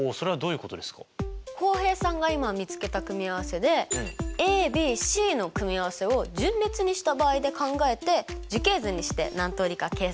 浩平さんが今見つけた組合せでａｂｃの組合せを順列にした場合で考えて樹形図にして何通りか計算してください。